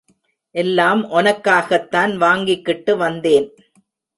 எல்லாம் ஒனக்காகத்தான் வாங்கிக்கிட்டு வந்தேன்.